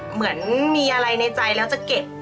เหมือนมีอะไรในใจแล้วจะเก็บ